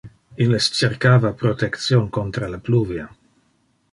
Illes cercava protection contra le pluvia.